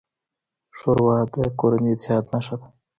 ښوروا د کورني اتحاد نښه ده.